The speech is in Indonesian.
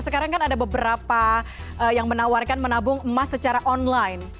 sekarang kan ada beberapa yang menawarkan menabung emas secara online